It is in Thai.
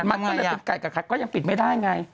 มันก็เลยเป็นไก่กับขัดก็ยังปิดไม่ได้ไง